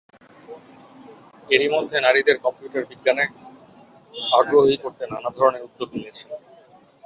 এরই মধ্যে নারীদের কম্পিউটার বিজ্ঞানে আগ্রহী করতে নানা ধরনের উদ্যোগ নিয়েছেন।